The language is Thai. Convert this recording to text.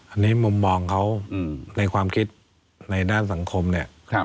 อันนี้มุมมองเขาในความคิดในด้านสังคมเนี่ย